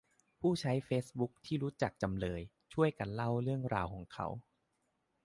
ผู้ใช้เฟซบุ๊กที่รู้จักจำเลย ช่วยกันเล่าเรื่องราวของเขา